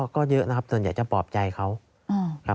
ก็เยอะนะครับส่วนใหญ่จะปลอบใจเขาครับ